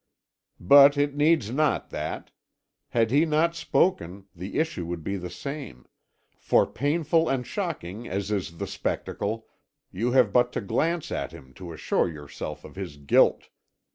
"But it needs not that; had he not spoken, the issue would be the same; for painful and shocking as is the spectacle, you have but to glance at him to assure yourself of his guilt.